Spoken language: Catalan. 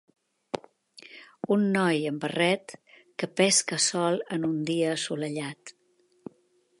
Un noi amb barret que pesca sol en un dia assolellat.